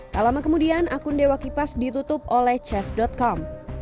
tak lama kemudian akun dewa kipas ditutup oleh ches com